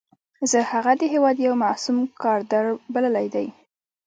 زه هغه د هېواد یو معصوم کادر بللی دی.